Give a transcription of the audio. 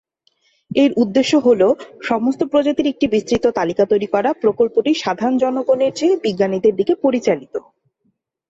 এর উদ্দেশ্য হ'ল সমস্ত প্রজাতির একটি বিস্তৃত তালিকা তৈরি করা; প্রকল্পটি সাধারণ জনগণের চেয়ে বিজ্ঞানীদের দিকে পরিচালিত।